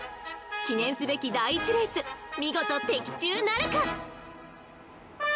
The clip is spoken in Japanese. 記念すべき第１レース見事的中なるか？